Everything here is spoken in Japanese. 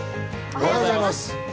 おはようございます。